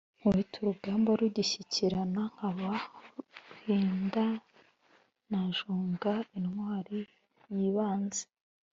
nkubita urugamba rugishyikirana, nkaba ruhindananjunga intwali y'ibanze.